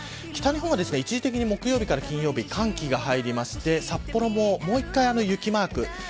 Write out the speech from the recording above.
北日本は一時的に木曜日から金曜日、寒気が入って札幌も、もう１回雪マーク。